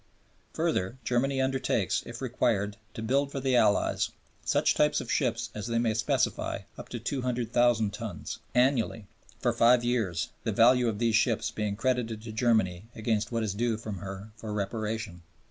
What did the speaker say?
Further, Germany undertakes, if required, to build for the Allies such types of ships as they may specify up to 200,000 tons annually for five years, the value of these ships being credited to Germany against what is due from her for Reparation.